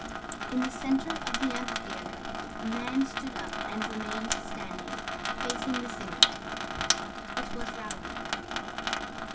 In the center of the amphitheater a man stood up and remained standing, facing the singer. It was Raoul.